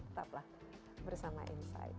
tetaplah bersama insight